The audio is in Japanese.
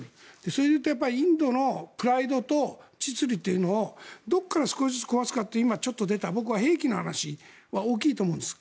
それでいうとインドのプライドと実利というのをどこから少しずつ壊すかを今ちょっと出た兵器の話が大きいと思うんです。